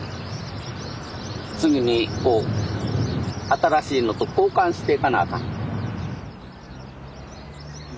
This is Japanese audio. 次に新しいのと交換していかなあかん。